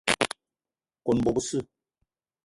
Kone bo besse